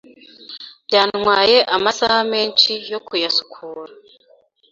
Byantwaye amasaha menshi yo kuyasukura.